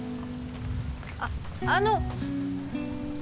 あっあの！